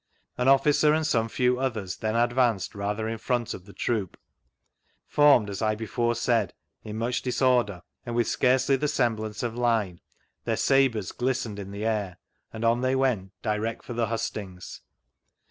An officer and some few others then advanced ratber in front of the troop, formed, as I before said, in much disord« and with scarcely the semblance of line, their sabres glistened in the air, and on they went, direct for the hustings.